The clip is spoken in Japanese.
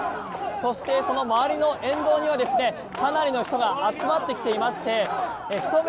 そして、その周りの沿道にはかなりの人が集まっていましてひと目